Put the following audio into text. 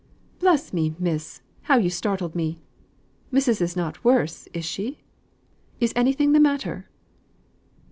"Bless me, miss! How you startled me! Missus is not worse, is she? Is anything the matter?"